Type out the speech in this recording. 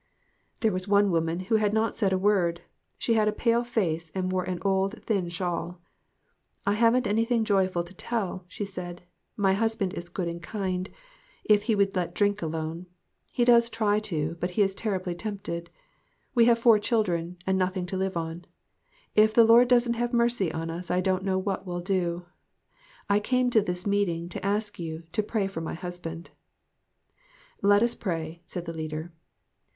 There was one woman who had not said a word. She had a pale face, and wore an old, thin shawl. "I haven't anything joyful to tell," she said. "My husband is good and kind, if he would let GOOD BREAD AND GOOD MEETINGS. 3/ drink alone. He does try to, but he is terribly tempted. We have four children, and nothing to live on. If the Lord doesn't have mercy on us, I don't know what we'll do. I came to this meet ing to ask you to pray for my husband." " Let us pray," said the leader.